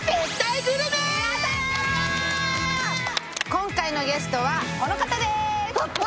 今回のゲストはこの方でーす。